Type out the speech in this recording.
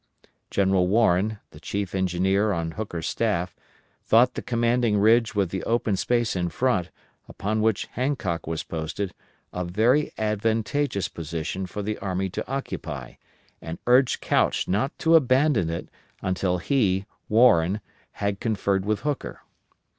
General Warren, the Chief Engineer on Hooker's staff, thought the commanding ridge with the open space in front, upon which Hancock was posted, a very advantageous position for the army to occupy, and urged Couch not to abandon it until he (Warren) had conferred with Hooker.